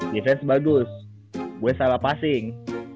defense bagus gue salah passing